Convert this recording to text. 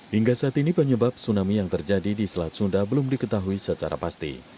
hingga saat ini penyebab tsunami yang terjadi di selat sunda belum diketahui secara pasti